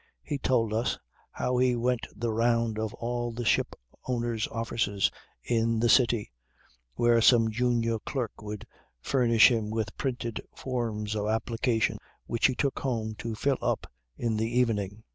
He told us how he went the round of all the ship owners' offices in the City where some junior clerk would furnish him with printed forms of application which he took home to fill up in the evening.